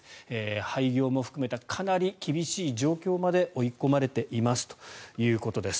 廃業も含めたかなり厳しい状況まで追い込まれていますということです。